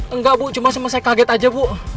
enggak bu cuma saya kaget aja bu